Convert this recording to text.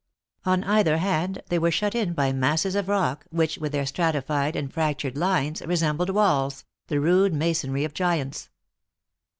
On either hand they were shut in by masses of rock, which, with their stratified and fractured lines, resembled walls, the rude masonry of giants.